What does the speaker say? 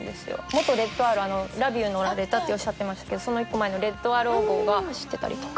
元レッドアローラビュー乗られたっておっしゃってましたけどその１個前のレッドアロー号が走ってたりとか。